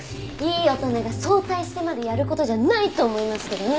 いい大人が早退してまでやる事じゃないと思いますけどね！